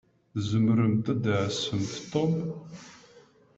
Tzemṛemt ad tɛassemt Tom?